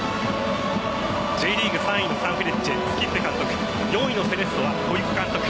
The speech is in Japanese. Ｊリーグ３位のサンフレッチェスキッベ監督４位のセレッソは小菊監督。